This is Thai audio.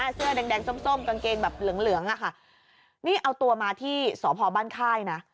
เสื้อแดงส้มกางเกงเหลืองนี่เอาตัวมาที่สพบ้านค่าย